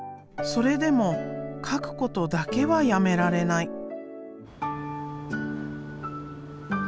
それでも描くことだけはやめられない。